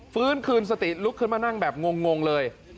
ฟื้นคืนสติลุกขึ้นมานั่งแบบงงเลย